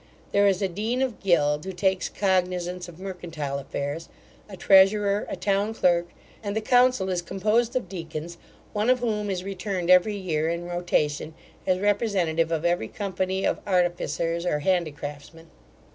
There is a dean of guild, who takes cognizance of mercantile affairs; a treasurer; a town clerk; and the council is composed of deacons, one of whom is returned every year, in rotation, as representative of every company of artificers or handicraftsmen.